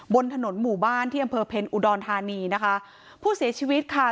บนถนนหมู่บ้านที่อำเภอเพ็ญอุดรธานีนะคะผู้เสียชีวิตค่ะ